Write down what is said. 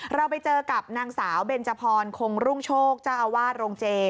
เราไปเจอกับนางสาวเบนจพรคงรุ่งโชคเจ้าอาวาสโรงเจ